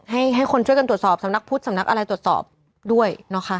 ให้คนช่วยกันตรวจสอบสำนักพุทธสำนักอะไรตรวจสอบด้วยนะคะ